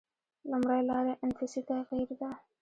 لومړۍ لاره انفسي تغییر ده.